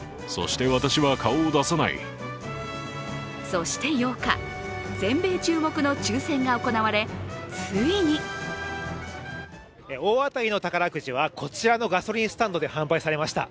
そして８日、全米注目の抽選が行われ、ついに大当たりの宝くじは、こちらのガソリンスタンドで販売されました。